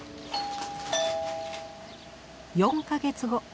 ４か月後。